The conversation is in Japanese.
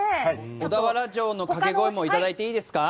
小田原城の掛け声もいただいていいですか？